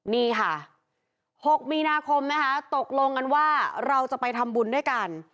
นี่ค่ะ๖มีนาคมนะคะตกลงกันว่าเราจะไปทำบุญด้วยกัน